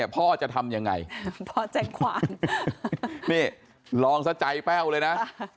พ่อจะทำยังไงพ่อแจ้งความนี่ลองซะใจแป้วเลยนะ